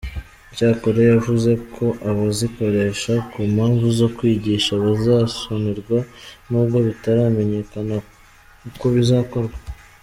Icyakora yavuze ko abazikoresha ku mpamvu zo kwigisha bazasonerwa nubwo bitaramenyekana uko bizakorwa.